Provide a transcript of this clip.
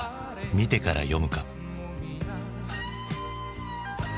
見てから読むか。」。